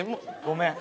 ごめん。